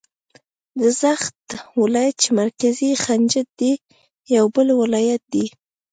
د سغد ولایت چې مرکز یې خجند دی یو بل ولایت دی.